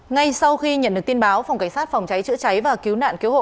ngay sau khi nhận được tin báo phòng cảnh sát phòng cháy chữa cháy và cứu nạn cứu hộ